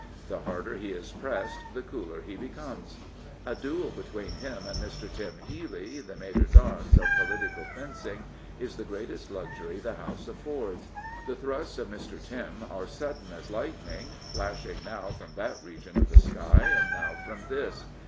The harder he is pressed the cooler he becomes, A duel between him and Mr. " Tim " Healy, the maitre d'armes of political fencing, is the greatest luxury the House affords. The thrusts of Mr. Tim " are sudden as lightning, flashing now from that region of the sky, now from this.